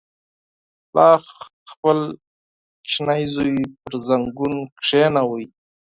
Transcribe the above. • پلار خپل کوچنی زوی پر زنګون کښېناوه.